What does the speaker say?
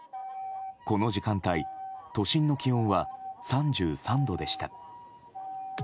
この時間帯都心の気温は３３度でした。